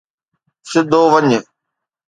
سڌو وڃ